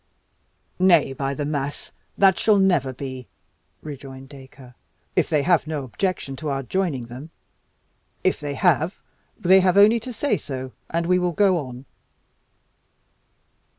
"Nay, by the mass! that shall never be," rejoined Dacre, "if they have no objection to our joining them. If they have, they have only to say so, and we will go on."